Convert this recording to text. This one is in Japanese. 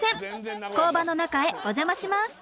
工場の中へお邪魔します。